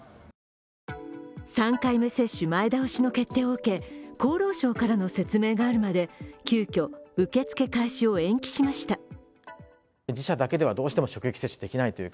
３回目接種前倒しの決定を受け、厚労省からの説明があるまで急きょ、受け付け開始を延期しました。